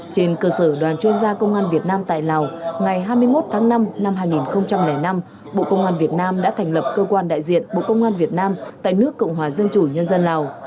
trên cơ sở đoàn chuyên gia công an việt nam tại lào ngày hai mươi một tháng năm năm hai nghìn năm bộ công an việt nam đã thành lập cơ quan đại diện bộ công an việt nam tại nước cộng hòa dân chủ nhân dân lào